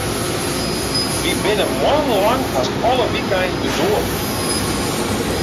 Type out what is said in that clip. Wy binne moannen lang hast alle wykeinen de doar út.